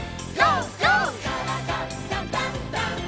「からだダンダンダン」